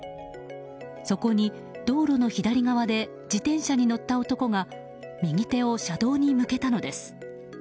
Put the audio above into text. そこに、道路の左側で自転車に乗った男が右手を車道に向けたのです。